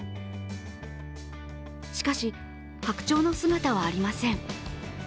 しかし、白鳥の姿はありません。